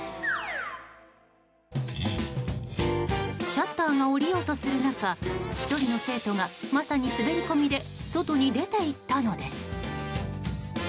シャッターが下りようとする中１人の生徒がまさに滑り込みで外に出て行ったのです。